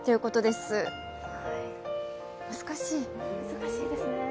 難しいですね。